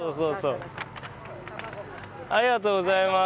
ありがとうございます。